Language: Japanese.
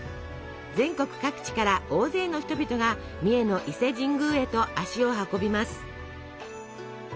全国各地から大勢の人々が三重の伊勢神宮へと足を運びます。